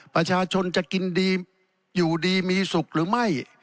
ประชาชนจะกินดีอยู่ดีมีสุขหรือไม่